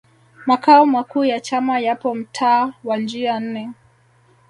makao makuu ya chama yapo mtaa wa njia nne